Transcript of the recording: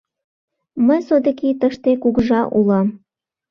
— Мый содыки тыште кугыжа улам.